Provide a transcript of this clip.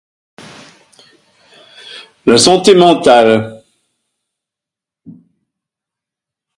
La santé mentale.